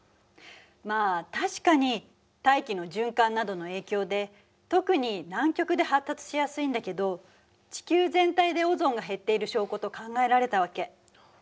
まあ確かに大気の循環などの影響で特に南極で発達しやすいんだけど地球全体でオゾンが減っている証拠と考えられたわけ。